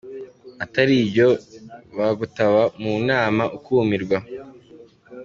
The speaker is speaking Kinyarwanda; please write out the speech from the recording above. Atari ibyo, bagutaba mu nama ukumirwa.